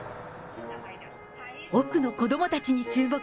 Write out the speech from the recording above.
奥の子どもたちに注目。